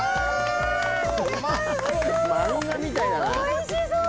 おいしそう！